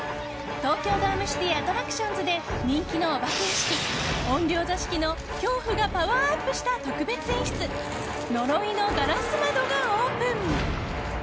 東京ドームシティアトラクションズで人気のお化け屋敷、怨霊座敷の恐怖がパワーアップした特別演出呪いの硝子窓がオープン。